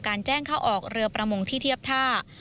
แจ้งเข้าออกเรือประมงที่เทียบท่า